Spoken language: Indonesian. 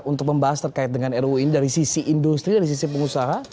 untuk membahas terkait dengan ruu ini dari sisi industri dari sisi pengusaha